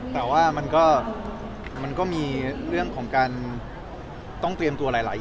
แต่ว่ามันก็มีเรื่องของการต้องเตรียมตัวหลายอย่าง